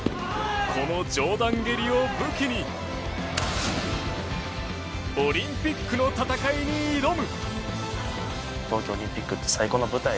この上段蹴りを武器にオリンピックの戦いに挑む。